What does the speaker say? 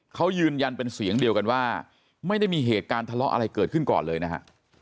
เขายืนยันเป็นเสียงเดียวกันว่าไม่ได้มีเหตุการณ์ทะเลาะอะไรเกิดขึ้นก่อนเลยนะฮะ